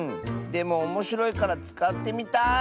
でもおもしろいからつかってみたい。